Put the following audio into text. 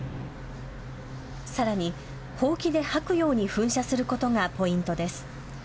さらに、ほうきで掃くように噴射することがポイントです。